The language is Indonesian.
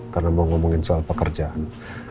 karena mau ngomongin soal pekerjaan